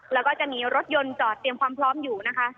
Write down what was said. แล้วก็จะมีรถยนต์จอดเตรียมความพร้อมอยู่นะคะ